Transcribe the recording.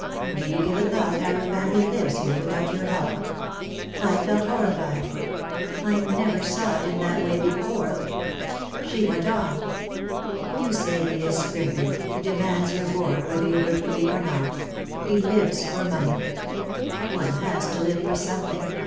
Do you give a thought how your family lives here without your help?" I felt horrified. I never saw it in that way before. She went on. "You say he is scrimping, he demands your board whether you work the week or not; he lives for money. One has to live for something.